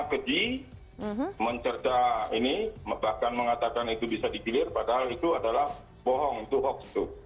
keji mencerda ini bahkan mengatakan itu bisa digilir padahal itu adalah bohong itu hoax tuh